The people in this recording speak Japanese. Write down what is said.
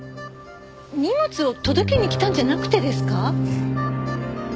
荷物を届けに来たんじゃなくてですか？